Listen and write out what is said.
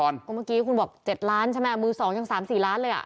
เพราะเมื่อกี้คุณบอก๗ล้านใช่ไหมมือ๒ยัง๓๔ล้านเลย